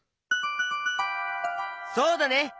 そうだね！